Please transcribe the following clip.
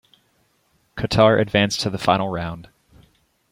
Qatar advanced to the Final Round.